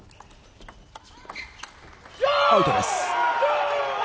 アウトです。